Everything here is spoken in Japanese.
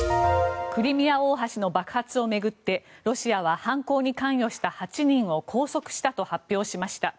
クリミア大橋の爆発を巡ってロシアは犯行に関与した８人を拘束したと発表しました。